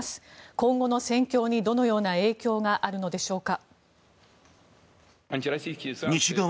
今後の戦況にどのような影響があるのでしょうか。